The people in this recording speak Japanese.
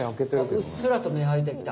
うっすらとめあいてきた。